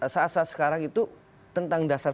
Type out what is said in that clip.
saat saat sekarang itu tentang dasar